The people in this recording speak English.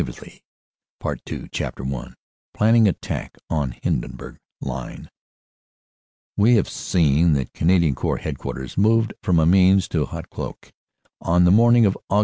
ARRAS 107 ARRAS CHAPTER I PLANNING ATTACK ON HINDENBURG LINE WE have seen that Canadian Corps Headquarters moved from Amiens to Hautecloque on the morning of Aug.